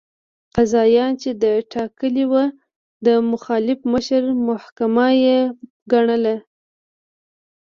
قاضیان چې ده ټاکلي وو، د مخالف مشر محاکمه یې ګڼله.